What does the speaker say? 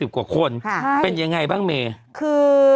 ค่ะค่ะเป็นอย่างไรบ้างเมย์คือ